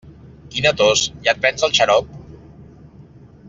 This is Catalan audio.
Quina tos, ja et prens el xarop?